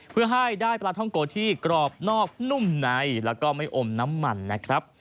เพื่อให้ได้ปลาท่องโกที่กรอบนอกนุ่มในแล้วก็ไม่อมน้ำมันนะครับ